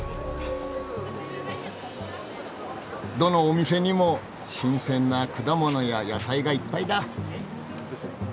どのお店にも新鮮な果物や野菜がいっぱいだ。